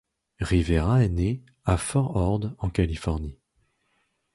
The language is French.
Rivera est né à Fort Ord en Californie.